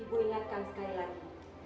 ibu ingatkan sekali lagi